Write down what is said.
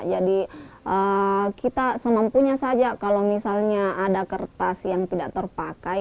jadi kita semampunya saja kalau misalnya ada kertas yang tidak terpakai